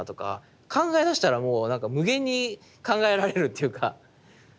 考え出したらもう無限に考えられるっていうかうん。